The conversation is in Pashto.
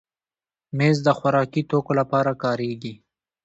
مېز د خوراکي توکو لپاره کارېږي.